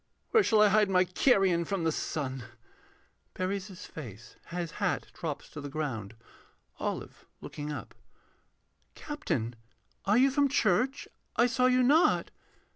Where shall I hide my carrion from the sun? [Buries his face. His hat drops to the ground.] OLIVE [looking up.] Captain, are you from church? I saw you not.